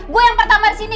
gue yang pertama disini